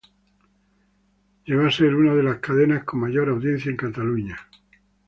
Llegó a ser una de las cadenas con mayor audiencia de Cataluña.